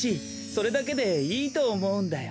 それだけでいいとおもうんだよ。